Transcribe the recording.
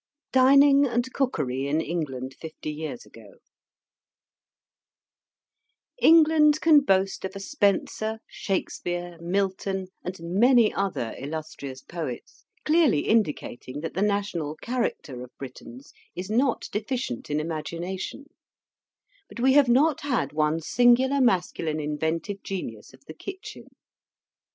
DINING AND COOKERY IN ENGLAND FIFTY YEARS AGO England can boast of a Spenser, Shakspeare, Milton, and many other illustrious poets, clearly indicating that the national character of Britons is not deficient in imagination; but we have not had one single masculine inventive genius of the kitchen.